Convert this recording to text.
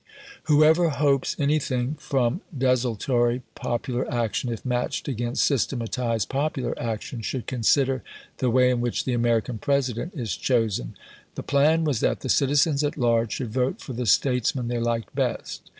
Whoever hopes anything from desultory popular action if matched against systematised popular action, should consider the way in which the American President is chosen. The plan was that the citizens at large should vote for the statesman they liked best.